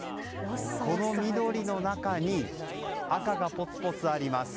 この緑の中に赤がポツポツあります。